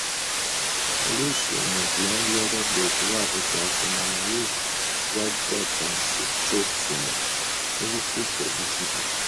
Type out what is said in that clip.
Oluusi omuntu yandiyagadde okubaako ky'asoma naye w'aggya eky'okusoma ne bufuuka obuzibu.